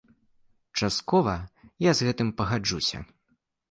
Часткова я з гэтым пагаджуся.